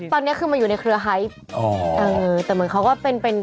อ๋อตอนนี้คือมาอยู่ในเครือไฮป